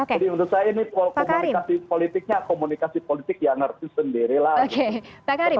jadi menurut saya ini komunikasi politiknya komunikasi politik yang ngerti sendirilah gitu